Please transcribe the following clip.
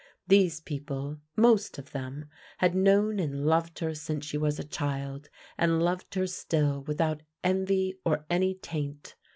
These people — most of them — had known and loved her since she was a child, and loved her still without envy or any taint.